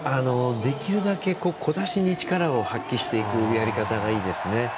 できるだけ小出しに力を発揮していくやり方がいいですね。